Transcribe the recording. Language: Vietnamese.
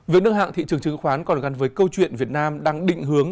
việc nâng hạng thị trường chứng khoán còn gắn với câu chuyện việt nam đang định hướng